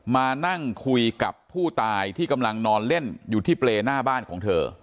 มานั่งคุยกับผู้ตายที่กำลังนอนเล่นอยู่ที่เปรย์หน้าบ้านของเธอ